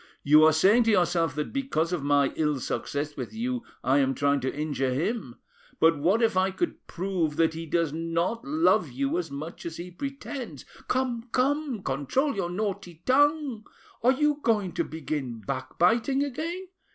You are saying to yourself that because of my ill success with you I am trying to injure him; but what if I could prove that he does not love you as much as he pretends—?" "Come, come, control your naughty tongue! Are you going to begin backbiting again?